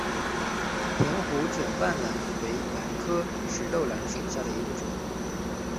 瓶壶卷瓣兰为兰科石豆兰属下的一个种。